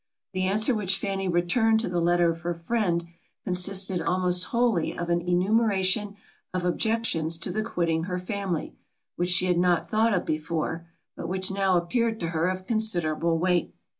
The answer which Fanny returned to the letter of her friend, consisted almost wholly of an enumeration of objections to the quitting her family, which she had not thought of before, but which now appeared to her of considerable weight.